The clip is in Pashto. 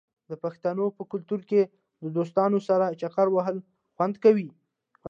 د پښتنو په کلتور کې د دوستانو سره چکر وهل خوند کوي.